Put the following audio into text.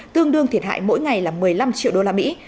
tương đương thiệt hại mỗi ngày là một mươi năm triệu đô la mỹ